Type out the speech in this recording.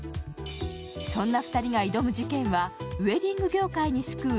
そんな２人が挑む事件は、ウエディング業界に巣くう。